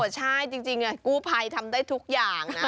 ใช่จริงอ่ะกูภัยทำได้ทุกอย่าง